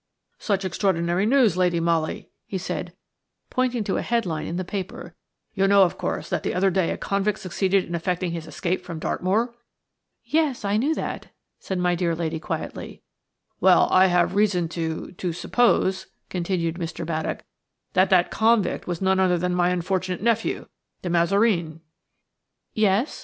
"Such extraordinary news, Lady Molly," he said, pointing to a head line in the paper. "You know, of course, that the other day a convict succeeded in effecting his escape from Dartmoor?" "Yes, I knew that," said my dear lady, quietly. "Well, I have reason to–to suppose," continued Mr. Baddock, "that that convict was none other than my unfortunate nephew, De Mazareen." "Yes?"